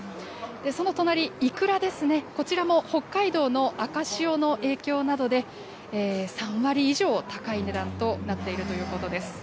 その隣、イクラですね、こちらも北海道の赤潮の影響などで、３割以上高い値段となっているということです。